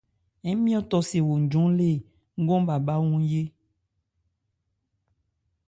Ńmjɔ́ tɔ se wo njɔn lê nkɔn bhâ bhá wo yé.